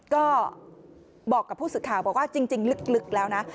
ก็บอกกับผู้สื่อข่าวบอกว่าจริงลึกแล้วนะ